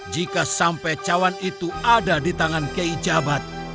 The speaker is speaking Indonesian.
jika sampai cawan itu ada di tangan keijabat